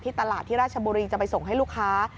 ตลาดที่ราชบุรีจะไปส่งให้ลูกค้า